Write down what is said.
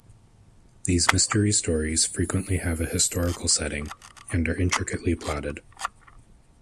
These mystery stories frequently have a historical setting, and are intricately plotted.